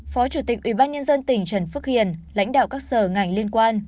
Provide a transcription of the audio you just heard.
phó chủ tịch ủy ban nhân dân tỉnh trần phước hiền lãnh đạo các sở ngành liên quan